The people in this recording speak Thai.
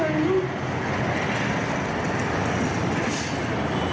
อืม